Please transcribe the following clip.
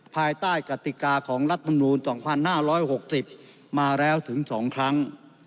ภายใต้กติกาของรัฐมนูล๒๕๖๐มาแล้วถึง๒ครั้ง